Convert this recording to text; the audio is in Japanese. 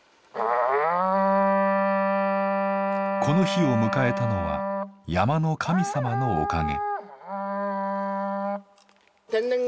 この日を迎えたのは山の神様のおかげ。